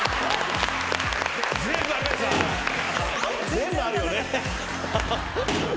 全部あるよね。